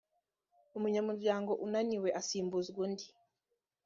umunyamuryango ananiwe asimbuzwa undi.